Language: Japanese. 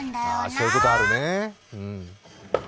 そういうことあるね、うん。